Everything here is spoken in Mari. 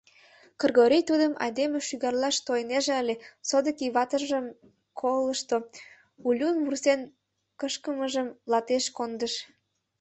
Кыргорий тудым айдеме шӱгарлаш тойынеже ыле — содыки ватыжым колышто, Улюн вурсен кышкымыжым латеш кондыш.